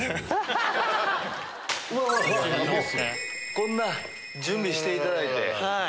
こんな準備していただいて。